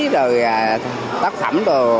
rồi tác phẩm